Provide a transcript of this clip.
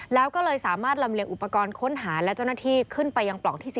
แล้วก็เลยสามารถลำเลียงอุปกรณ์ค้นหาและเจ้าหน้าที่ขึ้นไปยังปล่องที่๔